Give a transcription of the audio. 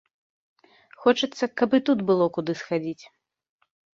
Хочацца, каб і тут было куды схадзіць.